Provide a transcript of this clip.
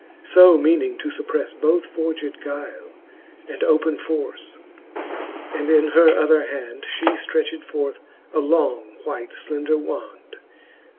So meaning to fupprefle both forged guile, And open force: and in her other hand She ftretched forth a long white fclender wand.